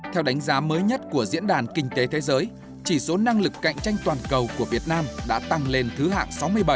theo đánh giá mới nhất của diễn đàn kinh tế thế giới chỉ số năng lực cạnh tranh toàn cầu của việt nam đã tăng lên thứ hạng sáu mươi bảy